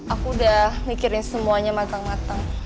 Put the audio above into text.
aku udah mikirin semuanya matang matang